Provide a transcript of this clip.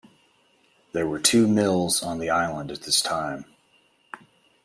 There were two mills on the island at this time.